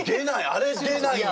あれ出ないよ。